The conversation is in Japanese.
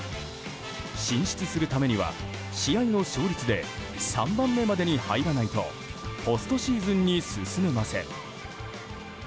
進出するためには試合の勝率で３番目までに入らないとポストシーズンに進めません。